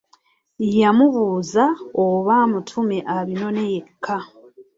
Yamubuuza oba amutume abinone yekka.